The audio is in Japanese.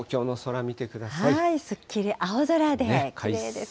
すっきり青空できれいですね。